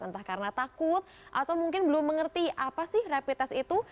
entah karena takut atau mungkin belum mengerti apa sih rapid test itu